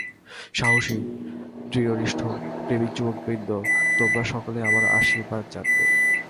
সাহসী, দৃঢ়নিষ্ঠ, প্রেমিক যুবকবৃন্দ, তোমরা সকলে আমার আশীর্বাদ জানবে।